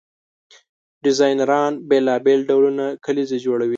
ډیزاینران بیلابیل ډولونه کلیزې جوړوي.